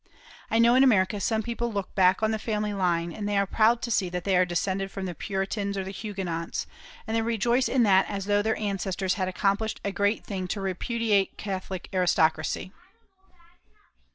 I know in America some people look back on the family line, and they are proud to see that they are descended from the Puritans or the Huguenots, and they rejoice in that as though their ancestors had accomplished a great thing to repudiate a Catholic aristocracy.